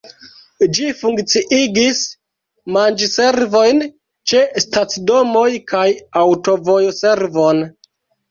Ĝi funkciigis manĝservojn ĉe stacidomoj kaj aŭtovojservon.